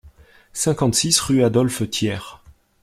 cinquante-six rue Adolphe Thiers